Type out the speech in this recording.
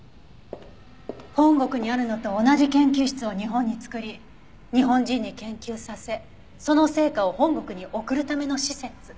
本国にあるのと同じ研究室を日本に作り日本人に研究させその成果を本国に送るための施設。